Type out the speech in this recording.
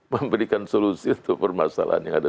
memberikan solusi untuk permasalahan yang ada